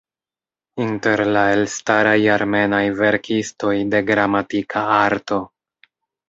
Inter la elstaraj armenaj verkistoj de "Gramatika Arto".